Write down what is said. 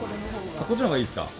こっちのほうがいいですか。